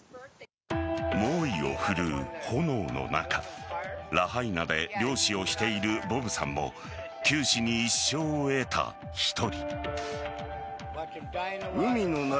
猛威を振るう炎の中ラハイナで漁師をしているボブさんも九死に一生を得た１人。